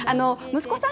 息子さん